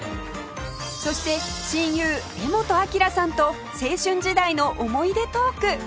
そして親友柄本明さんと青春時代の思い出トーク